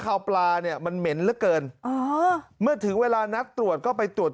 วปลาเนี่ยมันเหม็นเหลือเกินอ๋อเมื่อถึงเวลานัดตรวจก็ไปตรวจ